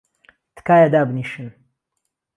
تکایە دابنیشن!